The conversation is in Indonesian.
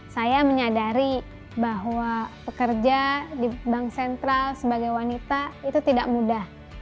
saya menyadari bahwa pekerja di bank sentral sebagai wanita itu tidak mudah